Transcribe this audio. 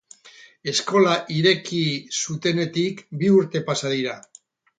Eskola ireki zutenetik bi urte pasa dira.